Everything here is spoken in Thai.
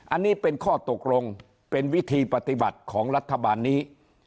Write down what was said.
อันนี้เป็นข้อตกลงเป็นวิธีปฏิบัติของรัฐบาลนี้